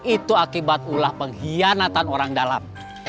itu akibat ulah pengkhianatan orang dalam